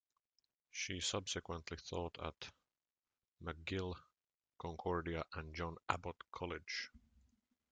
She subsequently taught at McGill, Concordia and John Abbott College.